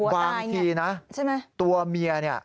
บางทีนะตัวเมียเนี่ย